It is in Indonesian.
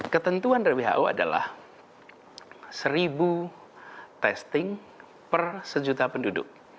ketentuan dari who adalah seribu testing per sejuta penduduk